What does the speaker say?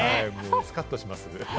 スカっとします。